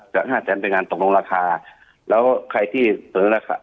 ห้าแสนไปงานตกลงราคาแล้วใครที่เสนอราคา